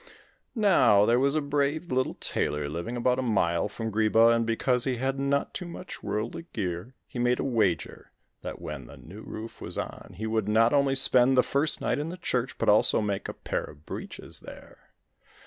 Now there was a brave little tailor living about a mile from Greeba, and because he had not too much worldly gear, he made a wager that when the new roof was on, he would not only spend the first night in the church, but also make a pair of breeches there.